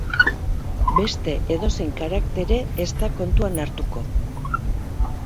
Beste edozein karaktere ez da kontuan hartuko.